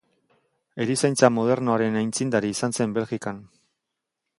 Erizaintza modernoaren aitzindari izan zen Belgikan.